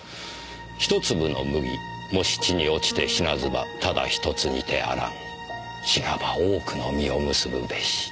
「一粒の麦もし地に落ちて死なずばただ一つにてあらん死なば多くの実を結ぶべし」。